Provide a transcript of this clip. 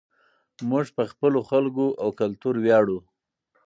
موږ په خپلو خلکو او کلتور ویاړو.